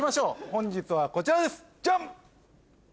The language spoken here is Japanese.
本日はこちらですジャン！